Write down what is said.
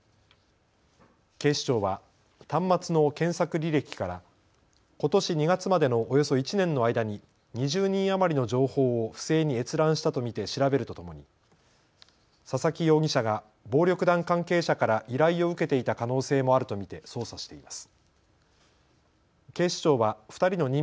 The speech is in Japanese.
警視庁は端末の検索履歴からことし２月までのおよそ１年の間に２０人余りの情報を不正に閲覧したと見て調べるとともに佐々木容疑者が暴力団関係者から依頼を受けていた可能性もあると見て捜査しています。